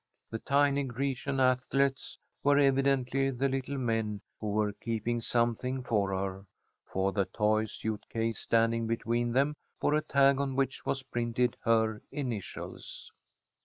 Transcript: The tiny Grecian athletes were evidently the little men who were keeping something for her, for the toy suit case standing between them bore a tag on which was printed her initials.